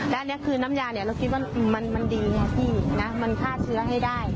และนี่คือน้ำยาเราคิดว่ามันดีนะพี่มันฆ่าเชื้อให้ได้